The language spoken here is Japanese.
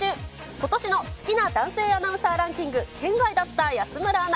ことしの好きな男性アナウンサーランキング圏外だった安村アナ。